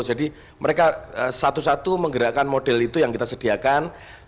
mereka satu satu menggerakkan model itu yang kita sediakan